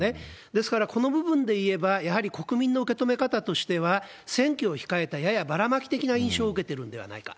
ですから、この部分でいえば、やはり国民の受け止め方としては、選挙を控えたややばらまき的な印象を受けてるんではないか。